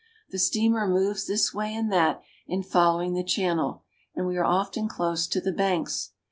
The steamer moves this way and that in follow ing the channel, and we are often close to the banks.